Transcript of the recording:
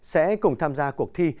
sẽ cùng tham gia cuộc thi